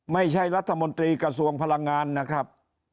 ไม่ใช่รัฐมนตรีกระทรวงพลังงานนะครับ